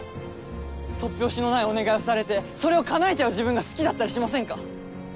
突拍子のないお願いをされてそれを叶えちゃう自分が好きだったりしませんか？